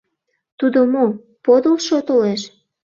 Тудо мо, подылшо толеш?